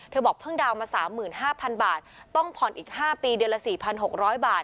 บอกเพิ่งดาวน์มา๓๕๐๐๐บาทต้องผ่อนอีก๕ปีเดือนละ๔๖๐๐บาท